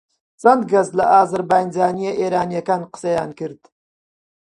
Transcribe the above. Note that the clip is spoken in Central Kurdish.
چەند کەس لە ئازەربایجانییە ئێرانییەکان قسەیان کرد